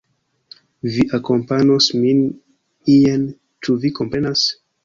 Vi akompanos min ien. Ĉu vi komprenas?